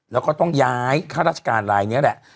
แล้วก็ต้องย้ายข้าราชการรายนี้แหละ